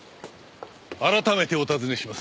改めてお尋ねします。